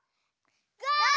ゴー！